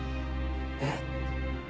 えっ？